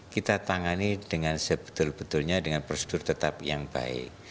kita tangani dengan sebetul betulnya dengan prosedur tetap yang baik